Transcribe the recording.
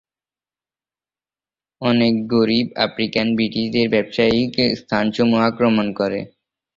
অনেক গরিব আফ্রিকান ব্রিটিশদের ব্যবসায়িক স্থানসমূহ আক্রমণ করে।